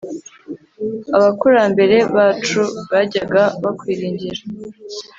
abakurambere bacu bajyaga bakwiringira